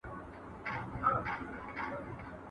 ¬ د صبر کاسه درنه ده.